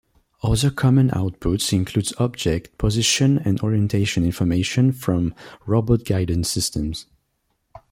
Other common outputs include object position and orientation information from robot guidance systems.